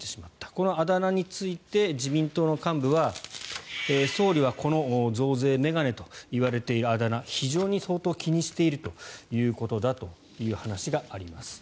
このあだ名について自民党の幹部は総理はこの増税メガネと言われているあだ名相当気にしているようだという話があります。